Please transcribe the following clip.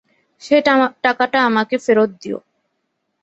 সে টাকাটা আমাকে ফেরত দিয়ো।